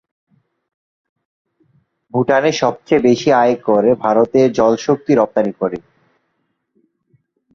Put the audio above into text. ভুটানের সবচেয়ে বেশি আয় করে ভারতের কাছে জল শক্তি রপ্তানি করে।